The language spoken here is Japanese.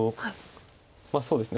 まあそうですね。